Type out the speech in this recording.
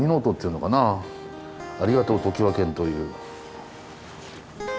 「ありがとう常盤軒」という。